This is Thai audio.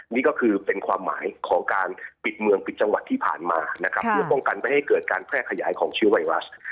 นี่ก็คือเป็นความหมายของการปิดเมืองปิดจังหวัดที่ผ่านมานะครับเพื่อป้องกันไม่ให้เกิดการแพร่ขยายของเชื้อไวรัส